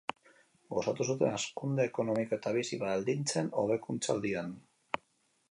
Gozatu zuten hazkunde ekonomiko eta bizi-baldintzen hobekuntza aldian.